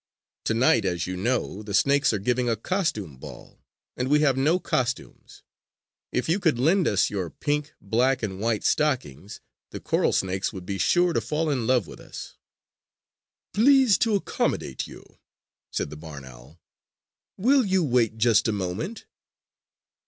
Tonight, as you know, the snakes are giving a costume ball, and we have no costumes. If you could lend us your pink, black and white stockings, the coral snakes would be sure to fall in love with us!" "Pleased to accommodate you," said the barn owl. "Will you wait just a moment?"